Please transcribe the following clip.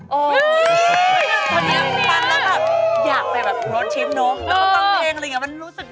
มีคนเดียว